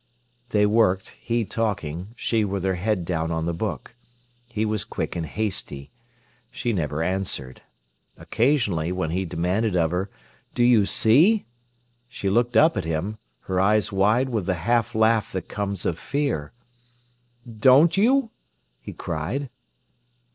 They worked, he talking, she with her head down on the book. He was quick and hasty. She never answered. Occasionally, when he demanded of her, "Do you see?" she looked up at him, her eyes wide with the half laugh that comes of fear. "Don't you?" he cried.